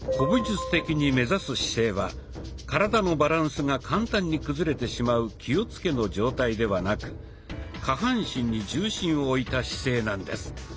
武術的に目指す姿勢は体のバランスが簡単に崩れてしまう「気をつけ」の状態ではなく下半身に重心を置いた姿勢なんです。